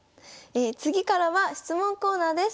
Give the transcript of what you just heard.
次からは質問コーナーです。